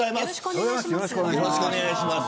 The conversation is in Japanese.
よろしくお願いします。